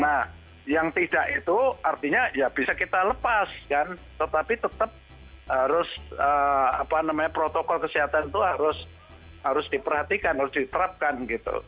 nah yang tidak itu artinya ya bisa kita lepas kan tetapi tetap harus protokol kesehatan itu harus diperhatikan harus diterapkan gitu